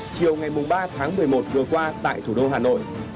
chiều ngày ba tháng một mươi một vừa qua tại thủ đô hà nội